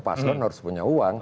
paslon harus punya uang